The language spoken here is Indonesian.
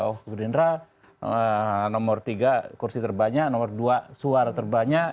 oh gerindra nomor tiga kursi terbanyak nomor dua suara terbanyak